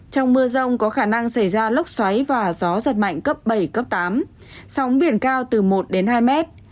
trong mưa rông có khả năng xảy ra lốc xoáy và gió giật mạnh cấp bảy cấp tám sóng biển cao từ một đến hai mét